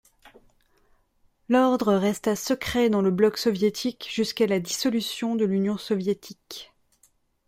L'ordre resta secret dans le bloc soviétique jusqu'à la dissolution de l'Union soviétique.